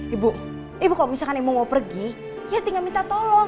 ibu ibu kalau misalkan ibu mau pergi ya tinggal minta tolong